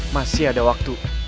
masih ada waktu